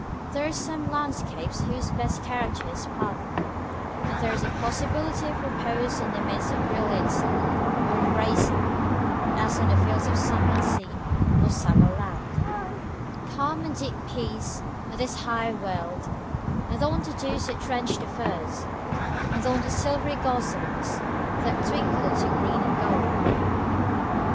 There are some landscapes whose best character is sparkling, and there is a possibility of repose in the midst of brilliancy, or embracing it, as on the fields of summer sea, or summer land: "Calm, and deep peace, on this high wold, And on the dews that drench the furze, And on the silvery gossamers, That twinkle into green and gold."